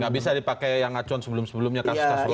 tidak bisa dipakai yang ngacu sebelum sebelumnya kasus kasus lain